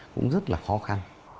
cũng rất là khó khăn